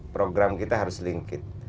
program kita harus selingkit